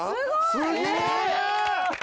すげえ！